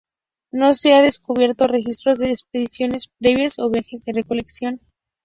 No se han descubierto registros de expediciones previas o viajes de recolección.